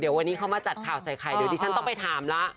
เดี๋ยววันนี้เขามาจัดข่าวใส่ไข่เดี๋ยวดิฉันต้องไปถามแล้ว